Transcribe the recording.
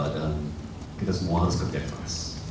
dan kita semua harus kerja keras